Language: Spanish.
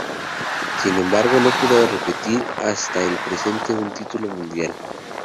Sin embargo no pudo repetir hasta el presente un título mundial.